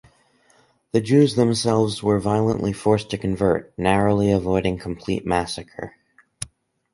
The Jews themselves were violently forced to convert, narrowly avoiding complete massacre.